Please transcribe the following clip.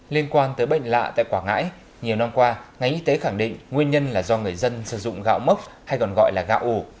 liên quan tới bệnh lạ tại quảng ngãi nhiều năm qua ngành y tế khẳng định nguyên nhân là do người dân sử dụng gạo mốc hay còn gọi là gạo ủ